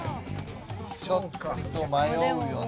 ちょっと迷うよな。